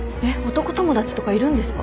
男友達とかいるんですか？